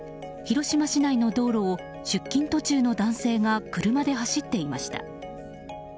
広島市内の道路を出勤途中の男性が車で走っていました。